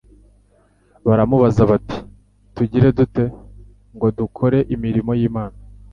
Baramubaza bati: "Tugire dute ngo dukore imirimo y'Imana?"